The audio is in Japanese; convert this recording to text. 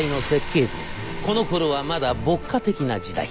このころはまだ牧歌的な時代。